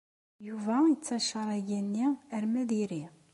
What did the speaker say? Yuba yettacaṛ aga-nni arma d iri.